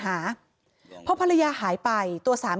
มีเรื่องอะไรมาคุยกันรับได้ทุกอย่าง